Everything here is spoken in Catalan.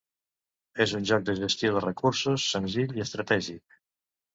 És un joc de gestió de recursos, senzill i estratègic.